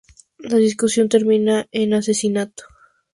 La discusión termina en asesinato.